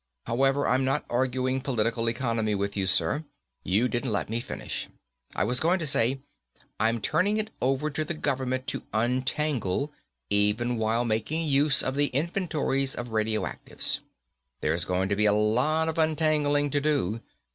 However, I'm not arguing political economy with you, sir. You didn't let me finish. I was going to say, I'm turning it over to the government to untangle, even while making use of the inventories of radioactives. There's going to be a lot of untangling to do.